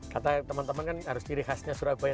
katanya temen temen kan harus ciri khasnya surabaya